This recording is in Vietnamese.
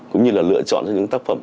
cũng như là lựa chọn cho những tác phẩm